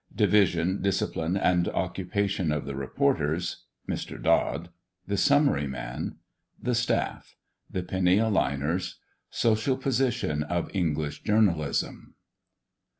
DIVISION, DISCIPLINE, AND OCCUPATION OF THE REPORTERS. MR. DOD. THE SUMMARY MAN. THE STAFF. THE PENNY A LINERS. SOCIAL POSITION OF ENGLISH JOURNALISM.